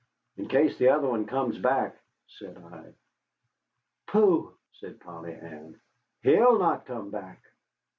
"In case the other one comes back," said I. "Pooh," said Polly Ann, "he'll not come back."